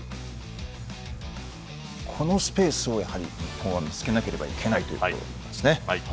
このスペースを日本は見つけないといけないということですね。